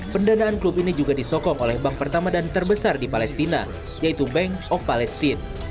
pendanaan klub ini juga disokong oleh bank pertama dan terbesar di palestina yaitu bank of palestine